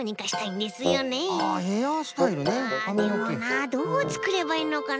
でもなどうつくればいいのかな？